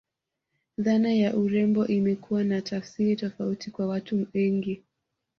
Dhana ya urembo imekuwa na tafsiri tofauti kwa watu wengi